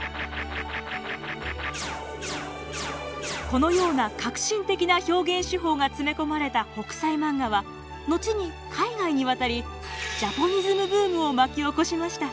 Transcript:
このような革新的な表現手法が詰め込まれた「北斎漫画」は後に海外に渡りジャポニズムブームを巻き起こしました。